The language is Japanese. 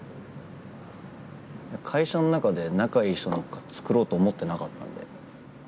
会社の中で仲いい人なんかつくろうと思ってなかったんで。